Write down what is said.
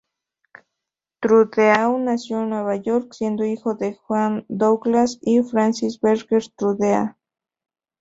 Trudeau nació en Nueva York, siendo hijo de Jean Douglas y Francis Berger Trudeau.